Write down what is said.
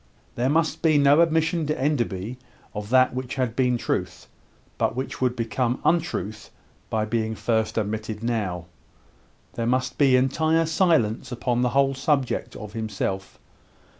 There must be no admission to Enderby of that which had been truth, but which would become untruth by being first admitted now. There must be entire silence upon the whole subject of himself.